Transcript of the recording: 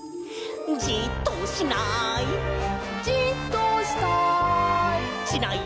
「じっとしない」「じっとしたい」「しない！」